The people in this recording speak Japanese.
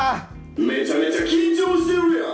「めちゃめちゃ緊張してるやん！」